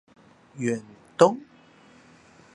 遠東